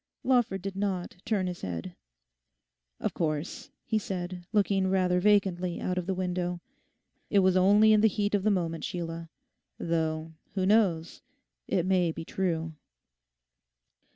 Lawford did not turn his head. 'Of course,' he said, looking rather vacantly out of the window, 'it was only in the heat of the moment, Sheila; though, who knows? it may be true.